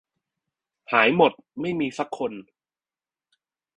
หายหมด ไม่มีซักคน